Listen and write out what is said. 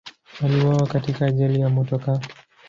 Aliuawa katika ajali ya motokaa.